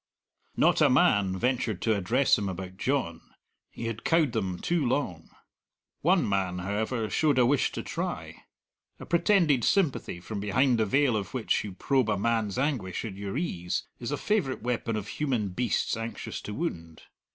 Not a man ventured to address him about John he had cowed them too long. One man, however, showed a wish to try. A pretended sympathy, from behind the veil of which you probe a man's anguish at your ease, is a favourite weapon of human beasts anxious to wound.